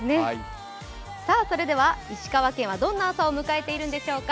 それでは石川県はどんな朝を迎えているんでしょうか。